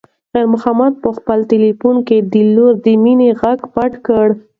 خیر محمد په خپل تلیفون کې د لور د مینې غږ پټ کړ.